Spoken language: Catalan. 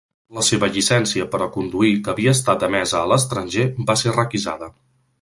La seva llicència per a conduir, que havia estat emesa a l'estranger, va ser requisada.